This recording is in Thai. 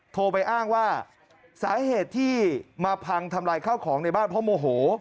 โทรไปอ้างว่าสาเหตุที่มาพังทำลายข้าวของในบ้านเพราะโมโห